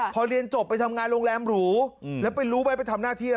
พอเรียนจบไปทำงานโรงแรมหรูแล้วไปรู้ไหมไปทำหน้าที่อะไร